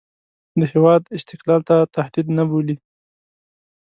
د هېواد استقلال ته تهدید نه بولي.